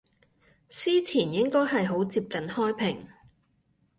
司前應該係好接近開平